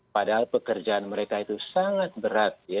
padahal pekerjaan mereka itu sangat berat